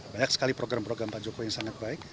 banyak sekali program program pak jokowi yang sangat baik